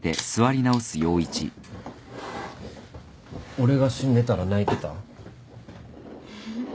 俺が死んでたら泣いてた？